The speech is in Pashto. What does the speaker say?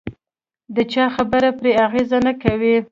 د چا خبره پرې اغېز نه کوي.